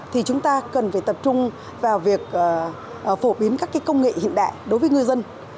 thì chúng ta cần phải tập trung vào việc phổ biến các công nghệ hiện đại đối với ngư dân